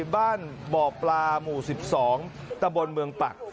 บ้านบ่อปลาหมู่๑๒ตะบนเมืองปัก